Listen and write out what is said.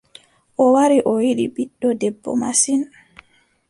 O wari a yiɗi ɓiɗɗo debbo masin.